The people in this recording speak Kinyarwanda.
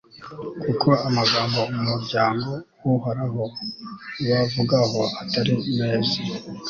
kuko amagambo umuryango w'uhoraho ubavugaho atari meza